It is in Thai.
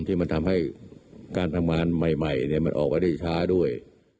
ที่มันทำให้การทำงานใหม่มันออกมาได้ช้าด้วย